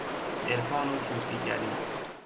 عرفان و صوفیگری